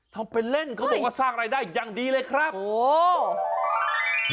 ทำเป็นเล่นเขาบอกว่าสร้างรายได้อย่างดีเลยครับโอ้โห